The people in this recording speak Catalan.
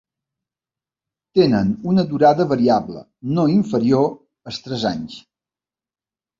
Tenen una durada variable, no inferior als tres anys.